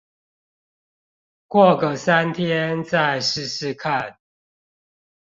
過個三天再試試看